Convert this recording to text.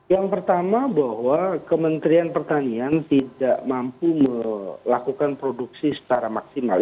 yang pertama bahwa kementerian pertanian tidak mampu melakukan produksi secara maksimal